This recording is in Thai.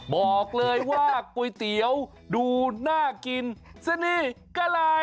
บอกเลยว่าก๋วยเตี๋ยวดูน่ากินเสน่ห์กะลาย